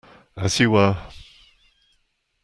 As you were!